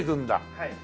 はい。